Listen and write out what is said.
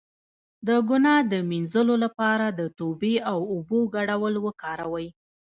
د ګناه د مینځلو لپاره د توبې او اوبو ګډول وکاروئ